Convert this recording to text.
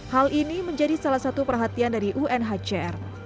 hal ini menjadi salah satu perhatian dari unhcr